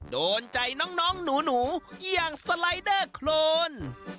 โดนใจน้องหนูอย่างสไลเดอร์โครน